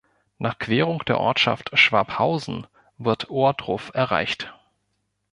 Nach Querung der Ortschaft Schwabhausen wird Ohrdruf erreicht.